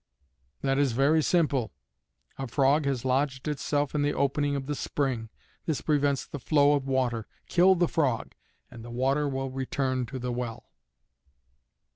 "That is very simple. A frog has lodged itself in the opening of the spring, this prevents the flow of water. Kill the frog, and the water will return to the well."